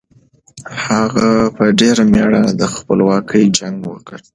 هغه په ډېر مېړانه د خپلواکۍ جنګ وګټلو.